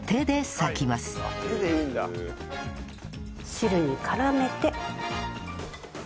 汁に絡めて。